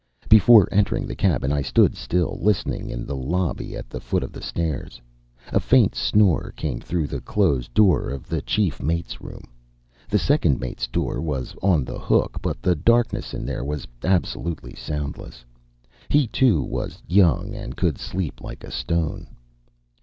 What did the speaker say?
Before entering the cabin I stood still, listening in the lobby at the foot of the stairs. A faint snore came through the closed door of the chief mate's room. The second mate's door was on the hook, but the darkness in there was absolutely soundless. He, too, was young and could sleep like a stone.